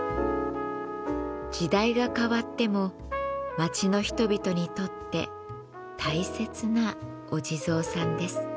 時代が変わっても町の人々にとって大切なお地蔵さんです。